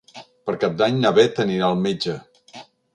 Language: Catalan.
Per Cap d'Any na Bet anirà al metge.